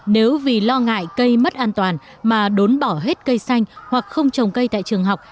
nếu vì lo ngại cây mất an toàn mà đốn bỏ hết cây xanh hoặc không trồng cây tại trường học